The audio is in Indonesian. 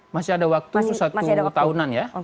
masih ada waktu satu tahunan ya